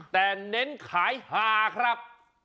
แต่เน้นขายฮาครับ